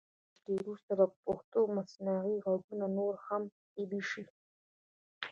څو میاشتې وروسته به پښتو مصنوعي غږونه نور هم طبعي شي.